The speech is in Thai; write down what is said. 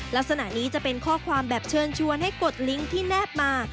ลักษณะนี้จะเป็นข้อความแบบเชิญชวนให้กดลิงค์ที่แนบมา